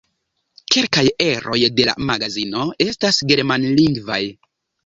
Kelkaj eroj de la magazino estas germanlingvaj.